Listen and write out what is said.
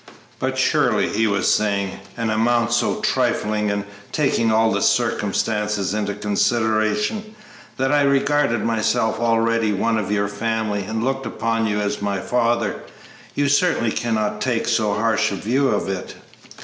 "But surely," he was saying, "an amount so trifling, and taking all the circumstances into consideration, that I regarded myself already one of your family and looked upon you as my father, you certainly cannot take so harsh a view of it!"